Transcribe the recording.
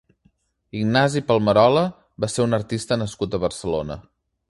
Ignasi Palmerola va ser un artista nascut a Barcelona.